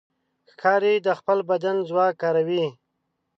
ښکاري د خپل بدن ځواک کاروي.